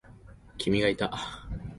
君がいた。